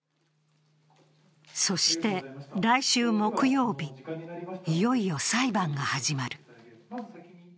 そして来週木曜日いよいよ裁判が始まる。